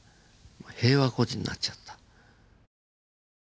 平和孤児になっちゃった。